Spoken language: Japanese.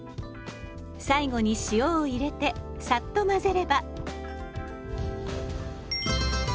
最後に塩を入れてさっと混ぜれば。